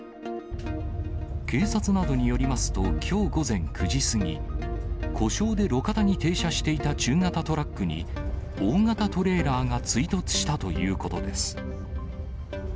警察などによりますと、きょう午前９時過ぎ、故障で路肩に停車していた中型トラックに大型トレーラーが追突したということです。